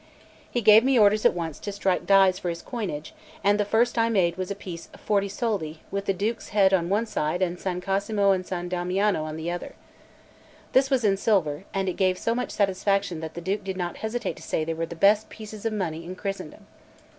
He gave me orders at once to strike dies for his coinage; and the first I made was a piece of forty soldi, with the Duke's head on one side and San Cosimo and San Damiano on the other. This was in silver, and it gave so much satisfaction that the Duke did not hesitate to say they were the best pieces of money in Christendom.